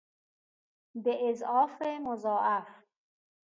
به اضعاف مضاعف